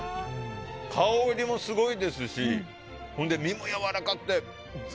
香りもすごいですし身もやわらかくて。